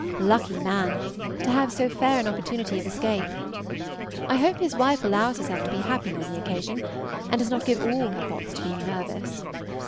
Lucky man! to have so fair an opportunity of escape. I hope his wife allows herself to be happy on the occasion, and does not give all her thoughts to being nervous.